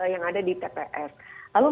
yang ada di tps lalu